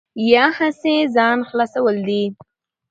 یا هسې ځان خلاصول دي.